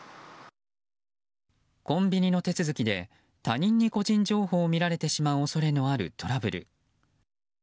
コンビニの手続きで他人に個人情報を見られてしまう恐れのあるトラブル。